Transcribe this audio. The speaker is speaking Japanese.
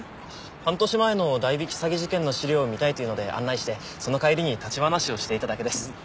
半年前の代引き詐欺事件の資料を見たいというので案内してその帰りに立ち話をしていただけです。